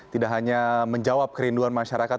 tidak hanya menjawab kerinduan masyarakat